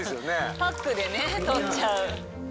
パックでねとっちゃう。